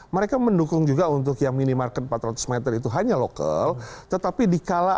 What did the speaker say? mereka mendukung juga untuk yang minimarket empat ratus meter itu hanya lokal tetapi dikala